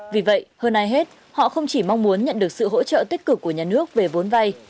vì vậy hơn ai hết họ không chỉ mong muốn nhận được sự hỗ trợ tích cực của nhà nước về vốn vay